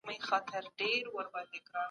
د ښارونو او کلیو ترمنځ اقتصادي واټن سته.